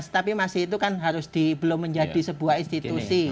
tapi masih itu kan harus di belum menjadi sebuah institusi